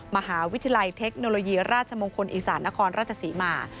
มหาวิทยาลัยเทคโนโลยีราชมงคลอีสานนครราชศรีมา